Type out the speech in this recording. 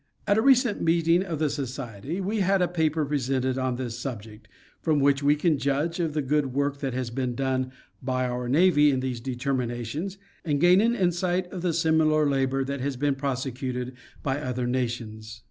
At a recent meeting of the Society we had a paper presented on this subject, from which we can judge of the good work that has been done by our navy in these determinations, and gain an insight of the similar labor that has been prosecuted by other nations.